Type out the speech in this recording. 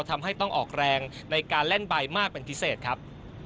ทำให้ต้องออกแรงในการเล่นใบมากเป็นพิเศษครับ